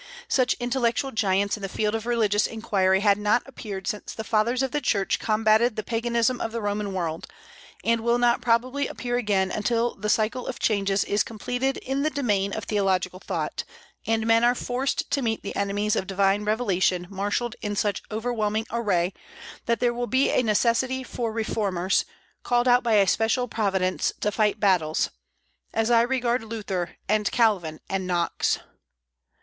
Such intellectual giants in the field of religious inquiry had not appeared since the Fathers of the Church combated the paganism of the Roman world, and will not probably appear again until the cycle of changes is completed in the domain of theological thought, and men are forced to meet the enemies of divine revelation marshalled in such overwhelming array that there will be a necessity for reformers, called out by a special Providence to fight battles, as I regard Luther and Calvin and Knox.